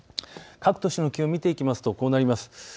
各都市の気温を見ていきますとこうなります。